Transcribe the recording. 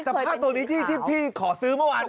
เฮ้ยตะภาพตัวนี้ที่พี่ขอซื้อเมื่อวานป่ะ